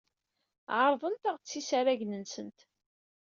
Ɛerrḍent-aɣ-d s isaragen-nsent.